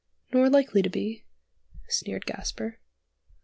"Nor likely to be," sneered Gasper.